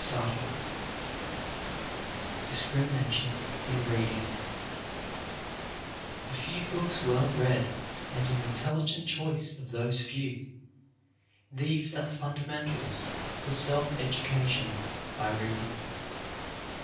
CHAPTER LXIII DISCRIMINATION IN READING A few books well read, and an intelligent choice of those few, these are the fundamentals for self education by reading.